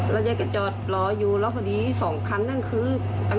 แล้วทางสี่บ้อนเนี้ย